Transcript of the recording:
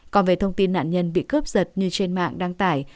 còn về thông tin nạn nhân bị cướp giật như trên mạng đăng tải